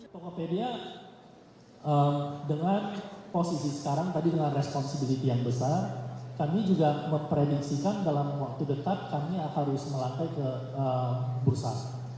tokopedia dengan posisi sekarang dengan responsibilitas yang besar kami juga memprediksikan dalam waktu dekat kami harus melantai ke bum